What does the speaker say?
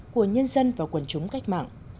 của nhân dân và quần chúng cách mạng